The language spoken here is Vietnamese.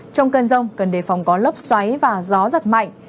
trong cơn rông cần đề phòng có lốc xoáy và gió giật mạnh